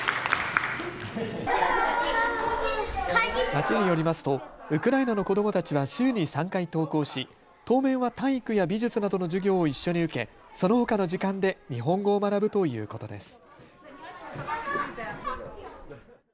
町によりますとウクライナの子どもたちは週に３回登校し当面は体育や美術などの授業を一緒に受けそのほかの時間で日本語を学ぶということです。